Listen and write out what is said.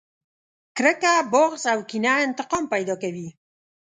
کرکه، بغض او کينه انتقام پیدا کوي.